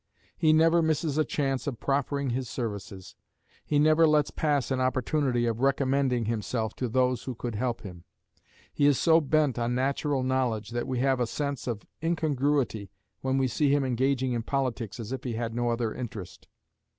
He never misses a chance of proffering his services; he never lets pass an opportunity of recommending himself to those who could help him. He is so bent on natural knowledge that we have a sense of incongruity when we see him engaging in politics as if he had no other interest.